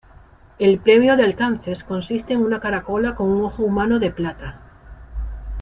El premio de Alcances consiste en una caracola con un ojo humano de plata.